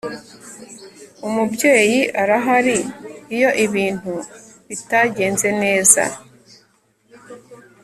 Umubyeyi arahari iyo ibintu bitagenze neza